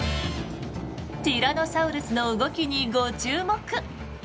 ティラノサウルスの動きにご注目！